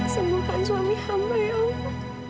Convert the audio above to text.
sembuhkan suami hamba ya allah